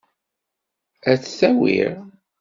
Ad-t-awiɣ.